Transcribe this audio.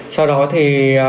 sau đó thì